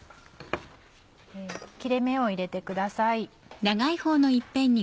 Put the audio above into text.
切れ目を入れてください。